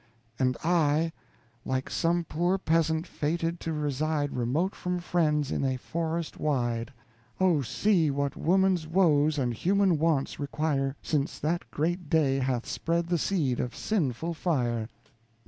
And I, like some poor peasant fated to reside Remote from friends, in a forest wide. Oh, see what woman's woes and human wants require, Since that great day hath spread the seed of sinful fire.